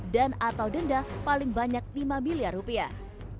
dan atau denda paling banyak lima miliar rupiah